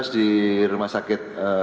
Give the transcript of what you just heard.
sebelas di rumah sakit